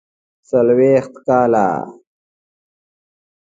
څلوېښت کاله.